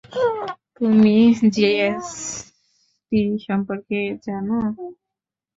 তুমি জিএসটি সম্পর্কে জানো?